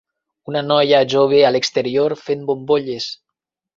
una noia jove a l'exterior fent bombolles.